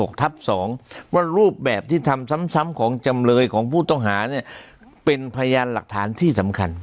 รูปแบบที่ทำซ้ำของจำเลยของผู้ต้องหาเนี่ยเป็นพยานหลักฐานที่สำคัญ